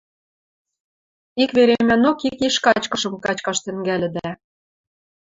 Ик веремӓнок ик йиш качкышым качкаш тӹнгӓлӹдӓ.